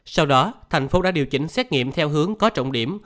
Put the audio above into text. sau đó thành phố đã điều chỉnh xét nghiệm theo hướng có trọng điểm